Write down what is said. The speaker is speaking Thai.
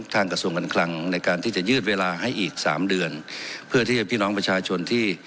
กระทรวงการคลังในการที่จะยืดเวลาให้อีกสามเดือนเพื่อที่พี่น้องประชาชนที่